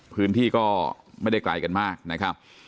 พื้นที่ก็ไม่ได้ไกลกันมากนะครับ